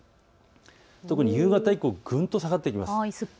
特に夕方以降ぐんと下がってきます。